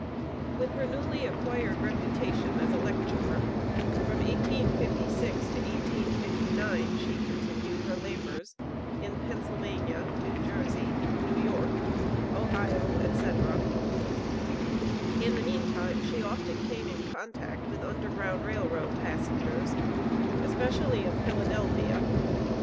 With her newly acquired reputation as a lecturer, from 1856 to 1859 she continued her labors in Pennsylvania, New Jersey, New York, Ohio, &c. In the meantime she often came in contact with Underground Rail Road passengers, especially in Philadelphia.